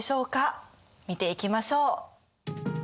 見ていきましょう。